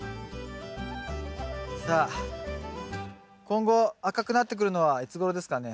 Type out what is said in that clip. さあ今後赤くなってくるのはいつごろですかね？